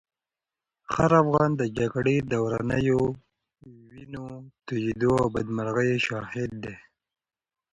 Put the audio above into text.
هر افغان د جګړې د ورانیو، وینو تویېدو او بدمرغیو شاهد دی.